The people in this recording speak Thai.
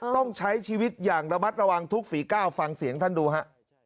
ต้องใช้ชีวิตอย่างระมัดระวังทุกฝีก้าวฟังเสียงท่านดูฮะ